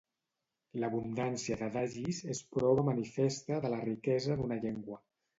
L'abundància d'adagis és prova manifesta de la riquesa d'una llengua.